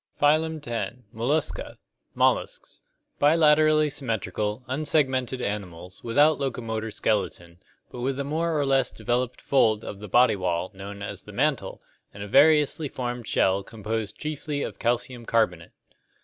Phylum X. Mollusca (Lat. mollis, soft). Molluscs. Bilaterally symmetrical, unsegmented animals, without locomotor skeleton, but with a more or less developed fold of the body wall known as the mantle, and a variously formed shell composed chiefly of calcium carbonate.